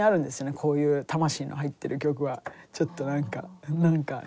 こういう魂の入ってる曲はちょっと何か何かね。